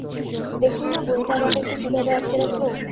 দেখলিনা বুড়িটা আমাদেরকে কীভাবে আটকে রাখলো।